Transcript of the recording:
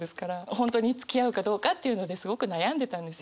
本当につきあうかどうかっていうのですごく悩んでたんですよ。